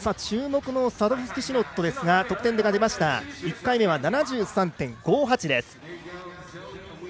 注目のサドフスキシノットですが得点、１回目は７３．５８です。